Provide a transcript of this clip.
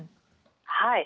はい。